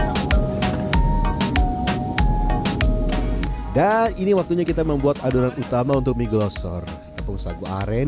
nah ini waktunya kita membuat adonan utama untuk mie glosor tepung sagu aren